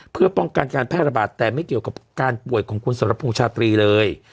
เพื่อป้องกันการแพร่ระบาดแต่ไม่เกี่ยวกับการป่วยของคุณสรพงษ์ชาตรีเลย